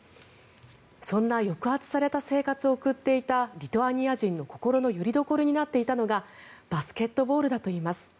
そんな抑圧された生活を送っていたリトアニア人の心のよりどころになっていたのがバスケットボールだといいます。